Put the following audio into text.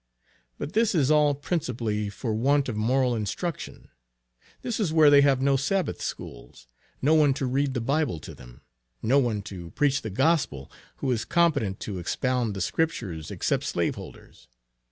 But this is all principally for want of moral instruction. This is where they have no Sabbath Schools; no one to read the Bible to them; no one to preach the gospel who is competent to expound the Scriptures, except slaveholders.